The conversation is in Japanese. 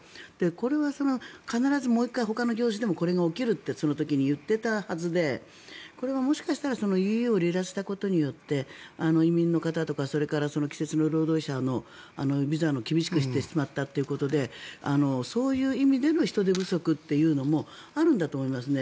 これは必ずもう１回ほかの業種でもこれが起きるってその時に言っていたはずでこれはもしかしたらＥＵを離脱したことによって移民の方とかそれから季節労働者のビザを厳しくしてしまったということでそういう意味での人手不足というのもあるんだと思いますね。